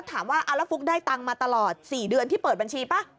ถามว่าเอาแล้วฟุ๊กได้ตังค์มาตลอด๔เดือนที่เปิดบัญชีป่ะ